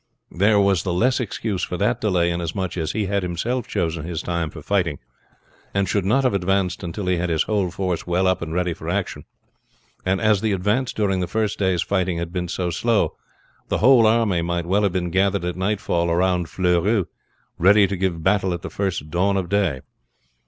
There was the less excuse for that delay, inasmuch as he had himself chosen his time for fighting, and should not have advanced until he had his whole force well up and ready for action; and as the advance during the first day's fighting had been so slow, the whole army might well have been gathered at nightfall round Fleurus ready to give battle at the first dawn of day.